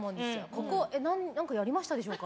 ここ何かやりましたでしょうか？